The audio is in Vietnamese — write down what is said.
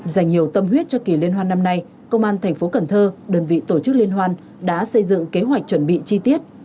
dành nhiều tâm huyết cho kỳ liên hoan năm nay công an thành phố cần thơ đơn vị tổ chức liên hoan đã xây dựng kế hoạch chuẩn bị chi tiết